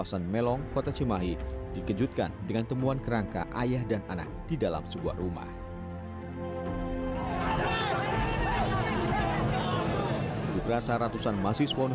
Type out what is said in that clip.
duringotto ranjutan peneliti terkenal tuan masyarakathel bukit begini